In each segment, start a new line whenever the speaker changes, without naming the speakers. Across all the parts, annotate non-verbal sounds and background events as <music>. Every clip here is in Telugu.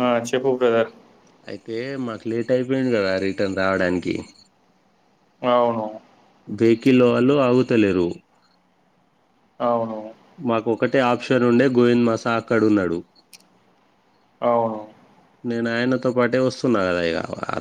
ఆ చెప్పు బ్రదర్
అయితే మాకు లేటైపోయింది కదా రిటర్న్ రావడానికి
అవును
వెహికిల్ లోవాళ్ళు ఆగుతలేరు
అవును
మాకొకటే ఆప్షన్ ఉండే గోవింద్ మా సార్ కాడున్నడు
అవును
నేను ఆయనతో పాటే వస్తున్నా కదా ఇగ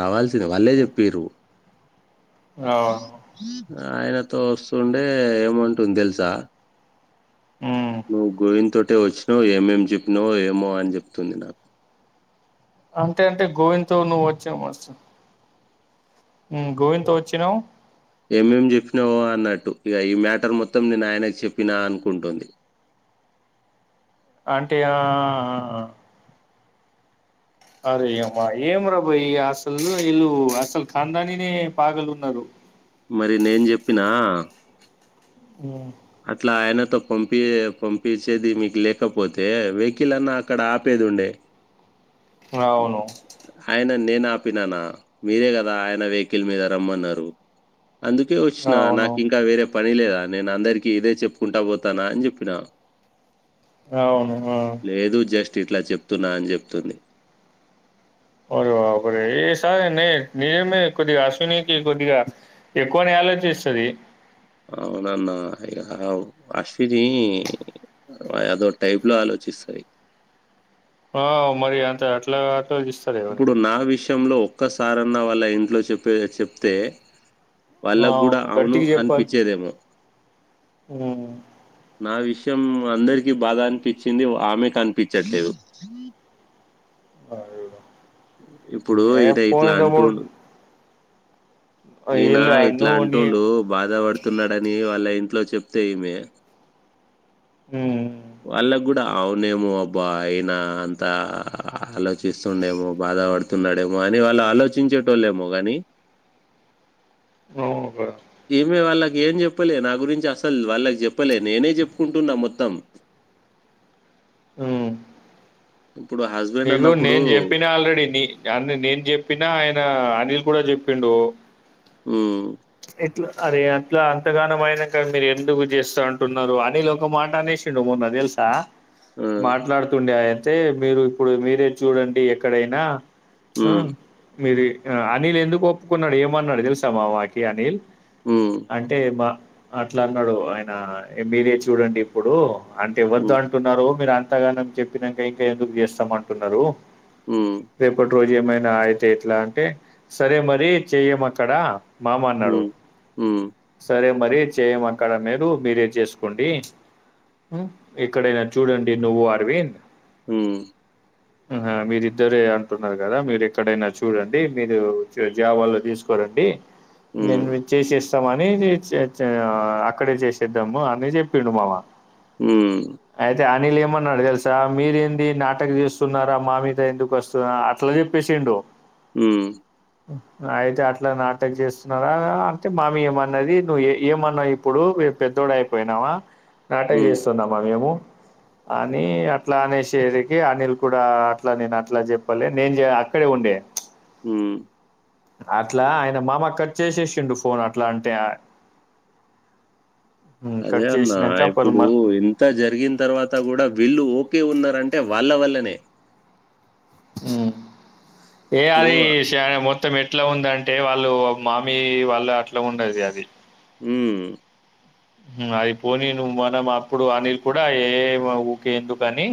రావాల్సిందే వాళ్ళే చెప్పిర్రు
అవును
ఆయనతో వస్తుండే ఏమంటుంది తెలుసా
మ్మ్.
నువ్వు గోవింద్ తోటే వచ్చినవ్ ఏమేం చెప్పినవో ఏమో అని చెప్తుంది నా
అంటే అంటే గోవింద్ తో నువ్వు వచ్చేయ్ మాస్టర్ హుమ్ గోవింద్ తో వచ్చినావ్
ఏం ఏం చెప్పినవో అన్నట్టు ఇగ ఈ మ్యాటర్ మొత్తం నేను ఆయనకి చెప్పినా అనుకుంటుంది
అంటే ఆ ఆ ఆ అరే అమ్మా ఏం రా బయ్ ఇగ అసలు వీళ్ళు అసలు ఖాందానినే పాగల్ ఉన్నారు
మరి నేను చెప్పినా
ఆ
అట్లా ఆయనతో పంపి పంపించేది మీకు లేకపోతే వెకిల్ అన్నా అక్కడ ఆపే దుండే
అవును
నేను ఆపిననా మీరే కదా ఆయన వెహికల్ మీద రమ్మన్నారు అందుకే వచ్చిన
అవును
నాకు ఇంకా వేరే పని లేదా నేను అందరికి ఇదే చెప్పుకుంటా పోతానా అని చెప్పినా
అవును ఆ
జస్ట్ ఇట్లా చెప్తున్నా అని చెప్తుంది
ఒరేయ్ బాబు రే ఏ సార్ నే నిజేమ కొదిగా అశ్వినికి కొదిగా ఎక్కువనే ఆలోచిస్తుది
అవునన్నా ఇగ అశ్విని అదో టైప్ లో ఆలోచిస్తాయి
ఆ మరి అంత అట్లా అట్లా ఆలోచిస్తారా ఎవరైనా
విషంలో ఒక్కసారన్నా వాళ్ళ ఇంట్లో చెప్పే చెప్తే వాళ్ళకు కూడాూ అవును
గట్టిగా చెప్పాలి
అనిపించేదేమో
ఉమ్
నా విషయం అందరికిీ బాధ అనిపించింది ఆమెకు కనిపించట్లేదు
అ
ఇప్పుడు ఇద
పోనీ
ఇట్లా
తమ్ముడు
అంటూడు ఈయనా
ఈళ్ళు
ఇట్లా
నువ్వు నీ
అంటుండు బాధ పడుతున్నాడని వాళ్ళ ఇన్ ఇంట్లో చెప్తే ఇమే
ఉ
వాళ్ళ కూడా అవునేమో అబ్బా అయినా అంతా ఆలోచిస్తుండేమో బా బధ పడుతున్నాడేమో అని వాళ్ళు ఆలోచించేటోళ్ళ ఏమో కాగాని
అవును కదా
ఇమే వాళ్ళకి ఏం చెప్పలే నా గురించి అసలు వాళ్ళకి చెప్పలే నేనే చెప్పుకుంటున్నా మొత్తం
ఉ
ఇప్పుడు హస్బెండ్
నికు
అన్నప్పుడు
నేను చెప్పినా ఆల్రెడీ నన్న నేను చెప్పినా ఆయన అనిల్ కూడా చెప్పి పిండు
ఉ
అట్లా అరే అట్లా అంతగానం అయినా కా మీరు ఎందుకు చేస్తా అంటున్నారు అనిల్ ఒక మాట అనేసిండు మొన్న తెలుసా
ఆ,
మాట్లాడుతుండే అ అయితే మీరు ఇప్పుడు మీరే చూడండి ఎక్కడైనా ఆ
హ్మ్,
మీరు ఆ అనిల్ ఎందుకు ఒప్పుకున్నాడు ఏమన్నాడు తెలుసామా వాకి అనిల్
హ్మ్,
అంటే బ అట్లా అన్నాడు ఆయన ఎంబీఏ చూడండి ఇప్పుడు అంటే ఇవ్వద్దు
హ్మ్,
అంటున్నారు మీరు అంతగానం చెప్పినాక ఇంకా ఎందుకు చేస్తాం అంటున్నారు
హ్మ్,
రేపటి రోజు ఏమైనా అయితే ఎట్లా అంటే సరే మరి చెయ్యం అక్కడ మామా అనాడు
హ్మ్, హ్మ్,
సరే మరి చెయ్యం అక్కడ మీరు మీరే చేసుకోండి ఉ ఎక్కడైనా చూడండి నువ్వు అర్వింద్
ఉ
ఆ మీరిద్దరే అంటున్నారు కదా మీరు ఎక్కడైనా చూడండి మీరు జావాలో తీసుకోొ చూడండి నేను
హ్మ్,
విచేసే ఇస్తా అని చ ఛ అక్కడే చేసేద్దాము అని చెప్పిండు మావ
ఉ
వీళ్లు ఏమన్నారు తెలుసా మీరే నా బట్టకు చేస్తున్నారా మా మీద ఎందుకు వస్తున్న అట్లా చెప్పేసిండు
ఉ
అయితే అట్లా నాటక్ చేస్తున్నారా అంటే మామి ఏమన్నది నువ్వు ఏమన్నావు ఇప్పుడు పెద్దోడయిపోయినావా నాటక్
హ్మ్,
చేస్తున్నామా మేము అని అట్లా అనేశేది. అనిల్ కూడా అట్లా నేను అట్లా చెప్పలె, నేను అక్కడే ఉండే.
హ్
అట్లా ఆయన మామ కట్ చేసేసిండు ఫోన్ అట్లా అంటే. హ్మ్.
అదే
కట్
అన్నా
చేసినంక
ఇప్పుడు
పొల్మల్
ఇంత జరిగిన తర్వాత కూడా వీళ్ళు కే ఉన్నరంటే వాళ్ళ వల్లనే.
హ్ ఏ
ఇప్పుడు
అది శయా మొ త్తం ఎట్లా ఉందంటే వాళ్ళు మామి వాళ్ళు అట్లా ఉన్నది అది.
హ్మ్.
అది పోని నువ్వు మనం అప్పుడు అనిల్ కూడా ఏ ఊరికేందుకని.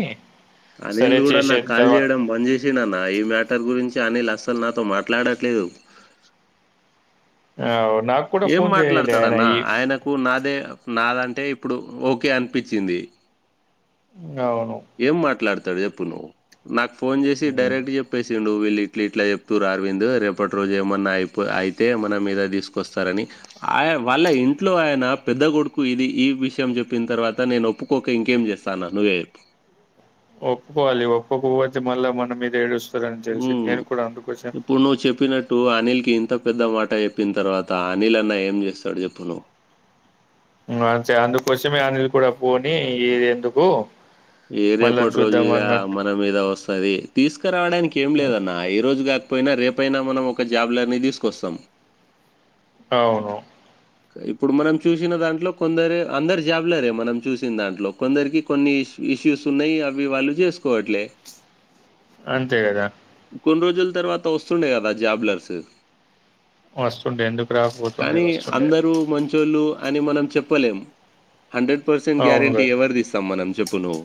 అనిల్ కూడా నాకు కాల్ చేయడం బంద్ చేసిండన్నా ఈ మ్యాటర్ గురించి. అనిల్ అస్సలు నాతో మాట్లాడట్లేదు.
అవు
ఏం మాట్లాడతాడన్న ఆయనకు నాదే నాదంటే ఇప్పుడు ఓకే అనిపించింది.
అవును.
ఏం మాట్లాడతాడు చెప్పు నువ్వు. నాకు ఫోన్ చేసి
హ్మ్.
డైరెక్ట్ చెప్పేసిండు నువ్వు ఇళ్ళు ఇట్లా ఇట్లా చెప్తుర్రు అరవింద్, రేపటి రోజు ఏమన్నా అయిపో అయితే మన మీద తీసుకొస్తారని ఆయ వాళ్ళ ఇంట్లో ఆయన పెద్ద కొడుకు ఇది ఈ విషయం చెప్పిన తర్వాత నేను ఒప్పుకోక ఇంకేం చేస్తా అన్నా నువ్వే చెప్పు.
ఒప్పుకోవాలి ఒప్పుకోక పోతే మళ్ళా మన మీద ఏడుసు
ఇప్పుడు నువ్వు చెప్పినట్టు అనిల్ కి ఇంత పెద్ద మాట చె ప్పిన తర్వాత అనిల్ అన్నా ఏం చేస్తాడు చెప్పు నువ్వు
ఇంగా అంతే అందుకోసమే అనిల్ కూడా పోనియ్ ఇది ఎందుకు
ఏ రేపటి రోజు ఇగా మన మీద వస్తది తీసుకురావడానికి ఏం
హ్మ్.
లేదన్న ఈ రోజు కాక పోయినా రేపయినా మనం ఒక జాబ్లర్ని తీసుకొస్తాం.
అవును
ఇప్పుడు మనం చూసిన దాంట్లో కొందరు అందరు జాబ్లరే మనం చూసిన దాంట్లో. కొందరికి కొన్ని ఇష్ ఇష్యూస్ ఉన్నయి అవి వాళ్ళు చేసుకోవట్లే.
అంతే కదా.
కొన్ని రోజుల తర్వాత వస్తుండే కదా జాబ్లర్స్.
వస్తుండే ఎందుకు రాకపోతుండే
కానీ
వస్తు
అందరూ మంచోళ్ళు అని మనం చెప్పలేము. హండ్రెడ్ పర్సెంట్
అవును
గ్యారెంటీ
గదా!
ఎవరిది ఇస్తాం మనం చెప్పు నువ్వు.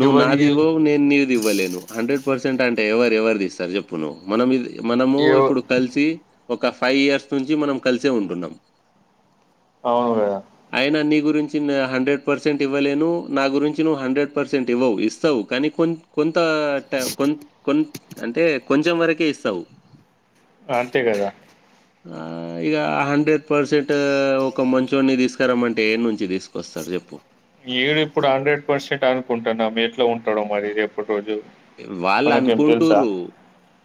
నువ్వు
ఎవరి ఎల్
నాదివ్వవు నేను నీది ఇవ్వలేేను హండ్రెడ్ పర్సెంట్ అంటే ఎవరు ఎవరిది ఇస్తరు చెప్పు నువ్వు. మనమిది మనము
ఎవ
ఇప్పుడు కలిసి ఒక ఫైవ్ ఇయర్స్ నుంచి మనం కలిసే ఉంటున్నం.
అవును కదా.
గురించి నా హండ్రెడ్ పర్సెంట్ ఇవ్వలేను. నా గురించి నువ్వు హండ్రెడ్ పర్సెంట్ ఇవ్వవు ఇస్తవు కానీ కొ కొ కొంత కొ కొ అంటే కొంచెం వరకే ఇస్తవు.
అంతే కదా
ఆ ఇగ హండ్రెడ్ పర్సెంట్ ఒక మంచొన్ని తీసుకరమంటే ఏ నుంచి తీసుకొస్తారు చెప్పు.
ఈడు ఇప్పుడు హండ్రెడ్ పర్సెంట్ అనుకుంటున్నాం ఎట్లా ఉంటడో మరి రేపటి రోజు.
వాళ్ళు అనుకుంటరు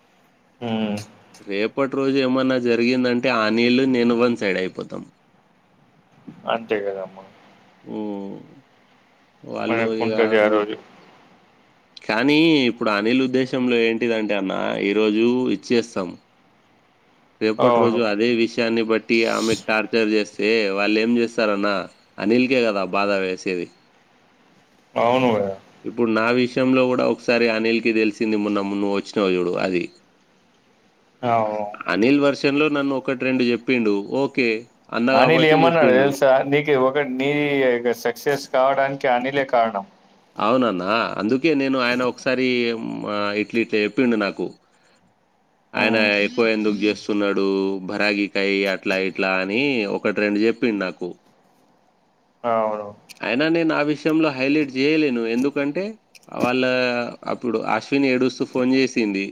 హ్
రేపటి రోజు ఏమన్నా జరిగిందంటే అనిల్ నేను వన్ సైడ్ అయిపోతాం.
అంతే కదమ్మా
ఉ వాళ్ళు
మనకు
ఇగా
ఉంటది ఆ
మొ
రోజు
కానీ ఇప్పుడు అనిల్ ఉద్దేశంలో ఏంటిదంటే అన్నా ఈరోజు ఇచ్చేస్తాం. రేపటి
అవును
రోజు అదే విషయాన్ని బట్టి ఆమెకు టార్చర్ చేస్త. అయితే వాళ్ళు ఏం చేస్తారన్న అనిల్ కదా బాధ వేసేది.
అవును కదా
ఇప్పుడు నా విష. విషం లో కూడా ఒకసారి అనిల్ కి తెలిసింది మొన్న నువ్వు వచ్చినవి చూడు అది.
అవు.
అనిల్ వర్షన్ లో నన్ను ఒకటి రెండు చెప్పిండు ఓకే. అన్న
అనిల్
కాబట్టి
ఏమన్నాడు
చెప్పిండు
తెలుసా, నీకు ఒకటి నీ సక్సెస్ కావడానికి. ఇంకా అనిలే కారణం.
అవునన్న అందుకే నేను ఆయన ఒకసారి. మ్. ఇట్లా ఇట్లా చెప్పిడు నాకు, ఆయన
ఉమ్,
ఎక్కువ ఎందుకు చేస్తు. స్తున్నాడు భరాగికాయ అట్లా ఇట్లా అని ఒకటి, రెండు చెప్పిండు నాకు.
అవును
ఆయనా నేను ఆన విష. లో హైలైట్ చేయలేను ఎందుకంటే, వాళ్ళ అప్పుడు అశ్విని ఏడుస్తూ ఫోన్ చేసి. ది,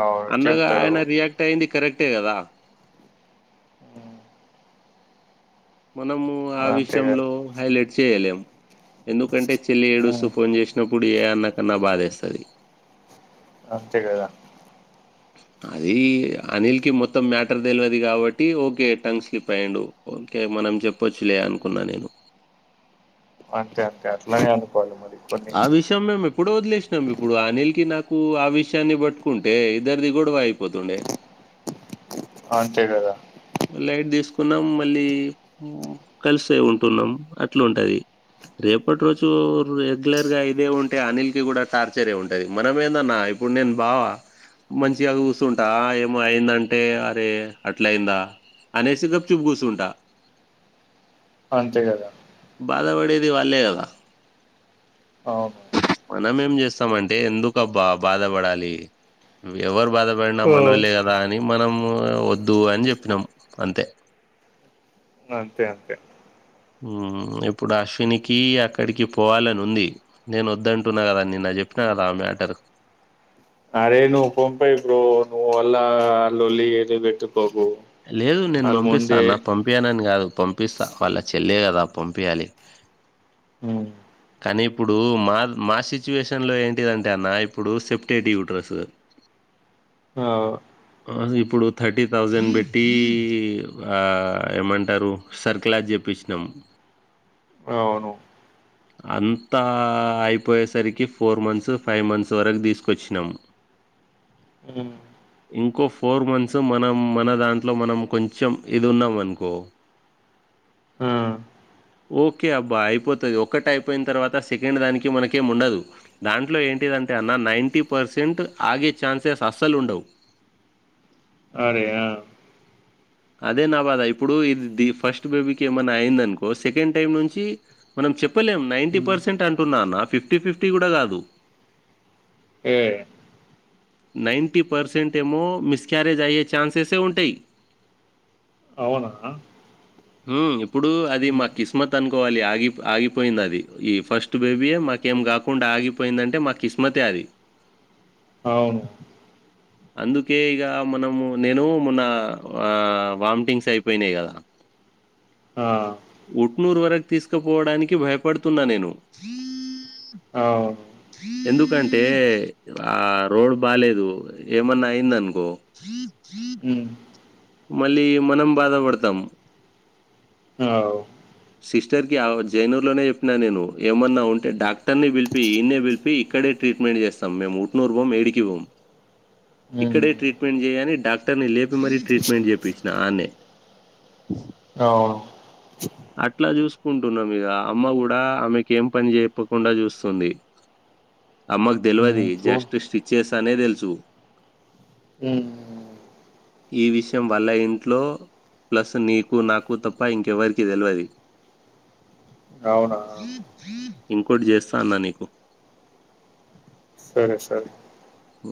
అవును
అన్నగా
చెప్తాడు
ఆయన రియాక్ట్ అయింది కరెక్ట్. ట్టే కదా. మనము ఆ
అంతే కదా
విషయంలో హైలైట్ చేయలేము. ఎందుకంటే చెల్లి ఏడుస్తూ
ఉమ్,
ఫోన్ చేసినప్పుడు. ఏ అన్నకన్నా బాధేస్తది.
అంతే కదా.
అది అనిల్ కి మొత్తం మ్యాటర్ తెలియదు. కాబట్టి ఓకే టంగ్ స్లిప్ అయ్యండు ఓకే. మనం చెప్పొచ్చులే అనుకున్నా నేను.
<unintelligible> అట్లానే అనుకోవాలి మరి కొన్ని
ఆ విషయం మేము ఎప్పుడ వదిలేసినాం. ఇప్పుడు ఆనిల్ కి నాకు. కు ఆ విషయాన్ని పట్టుకుంటే. ఇద్దరిది గొడవ అయిపోతుండే.
అ అంతే కదా.
లైట్ తీసుకున్నాం మళ్ళీ, కలిసే ఉంటున్నాం అట్లా ఉంటది. రేపటి రోజు రెగ్యులర్ గా ఇదే ఉంటే అనిల్ కి కూడా టార్చరే ఉంటది. మనం ఏందన్నా. ఇప్పుడు నేను బావ. మంచిగా చూస్తుంటా. ఏమో అయిందంటే అరే అట్ల అయిందా. అనేసి గప్ చూపుగుసుంటా.
అంతే కదా.
ఎవరు లే వాళ్లే కదా.
అవును.
మనం ఏం చేస్తామంటే ఎందుకుబ్బా బాధపడాలి. ఎవరు. బాధపడిన
ఓ,
మనవులే కదా అని మనం. వద్దు అని చెప్పినాం అంతే.
అంతే అంతే.
ఇప్పుడు అశ్వినికి అక్కడికి పోవాలని ఉంది. నేను వద్దంటున్నా కదా నిన్న చెప్ప. చెప్పనా కదా మ్యాటర్.
అరే నువ్వు. <unintelligible>
లేదు నేను
వాళ్ళు
పంపిస్తా
ముందే
అన్న. పంపించనని కాదు పంపిస్తా వాళ్ళ చెల్లే కదా. పంపియ్యాలి.
హ్మ్.
కానీ ఇప్పుడు మా మా సిచ్యువేషన్లో ఏంటిదంటే అన్న ఇప్పుడు సెప్టేటివ్ యూటీవర్స్.
ఆ.
ఇప్పుడు థర్టీ థౌజండ్ పెట్టి ఆ ఏమంటారు సర్క్లాజ. చేపిచ్చినం.
అవును
అంతా అయిపోయేసరికి ఫోర్ మంత్స్ ఫైవ్ మంత్స్ వరకు తీసుకొచ్చినాము ఇంకో ఫోర్ మంత్స్ మనం మన దాంట్లో మనం కొంచెం ఇది ఉన్నాం అనుకో
ఆ
ఓకే అబ్బా అయిపోతది ఒక్కట అయిపోయిన తర్వాత సెకండ్ దానికి మనకేం ఉండదు దాంట్లో ఏం టి దమ్టె అన్నా నైన్ంటీ పర్సెంట్ ఆగే ఛాన్సెస్ అస్సలు ఉండవు
ఆరే ఆ
అదే నా బాధ ఇప్పుడు ఇది ది ఫస్ట్ బేబీకి ఏమన్నా అయిందనుకో సెకండ్ టైమ్ నుంచి మన చెప్పలేం నైటీ పర్సెంట్ అంటున్నాన్న ఫిఫ్టీ ఫిఫ్టీ కూడా కాదు
ఏ
నైంట పర్సెంట్ ఏమో మిస్క్యారేజ్ అయ్యే ఛాన్సెసే ఉంటాయి
అవునా
ఉమ్ ఇప్పుడు అది మాకు కిస్మత్ అనుకోవాలి ఆగి ఆగిపోయింది అది ఈ ఫస్ట్ బేబీయే మాకి ఏం కాకుండా ఆగిపోయిందంటే మా కిస్మతే అది
అవును
అందుకే ఇగ మనము నేను మొన్న ఆ వామిటింగ్స్ అయిపోయినాయి కదా
ఆ
ఉట్నూరు వరకు తీసుకుపోవడానికి భయపడుతున్నా నేను
అవును
ఎందుకంటే ఆ రోడ్ బాలేదు ఏమన్నా అయింద అనుకో
ఉమ్
మళ్ళీ మనం బాధపడతాం
అవ్
సిస్టర్ కి అవ జైననూర్ లోనే చెప్పిన నేను ఏమన్నా ఉంటే డాక్టర్ ని పిలిపి ఈన్నే పిలిపియ్ ఇక్కడే ట్రీట్మెంట్ చేస్తాం మేము ఉట్నూరు బోం ఏడికి బోమ్ ఇక్కడే ట్రీట్మెంట్ చేయ లని డాక్టర్ ని లేపి మరీ ట్రీట్మెంట్ చేపించిన ఆన్నే
అవును
అట్లా చూసుకుంటున్నాం మీగ అమ్మ కూడా ఆమెకి ఏం పని చెప్పకుండా చూస్తుంది అమ్మకు తెల్వది
చూడు
జస్ట్ స్టిచేర్సే నే దెల్సు ఈ విషయం వల్ల ఇంట్లో ప్లస్ నీకు నాకు తప్ప ఇంకెవరికి కి తెలవది
అవునా
ఇంకోటి చేస్తా అన్నా నీకు
సరే సరే
ఉ